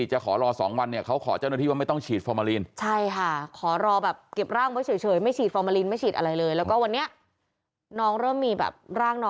จะขอรอสองวันเขาขอเจ้าหน้าที่ว่า